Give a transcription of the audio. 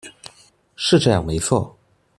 是這樣沒錯